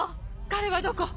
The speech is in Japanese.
彼はどこ？